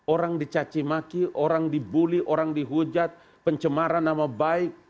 orang dicacimaki orang dibully orang dihujat pencemaran nama baik